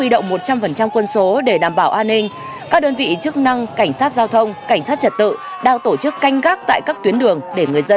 đó là cảm nhận của rất nhiều người